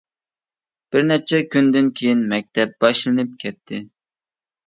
بىر نەچچە كۈندىن كېيىن مەكتەپ باشلىنىپ كەتتى.